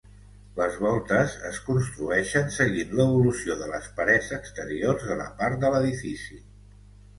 Les voltes es construeixen seguint l'evolució de les parets exteriors de la part de l'edifici.